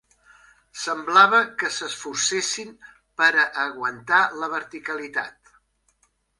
Semblava que s'esforcessin per a aguantar la verticalitat